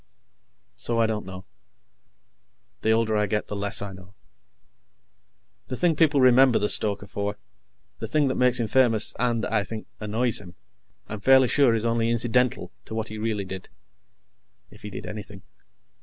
So, I don't know. The older I get, the less I know. The thing people remember the stoker for the thing that makes him famous, and, I think, annoys him I'm fairly sure is only incidental to what he really did. If he did anything.